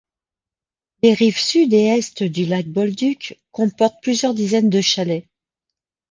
Les rives sud et est du lac Bolduc comportent plusieurs dizaines de chalets.